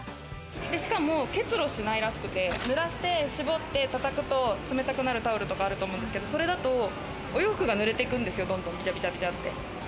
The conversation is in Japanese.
しかも結露しないらしくて、濡らして絞って叩くと冷たくなるタオルとかあると思うんですけど、それだとお洋服が濡れていくんですよ。